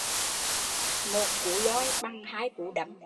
Một cú loi bằng hai cú đấm